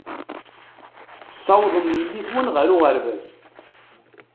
Tessawḍem yelli-twen ɣer uɣerbaz.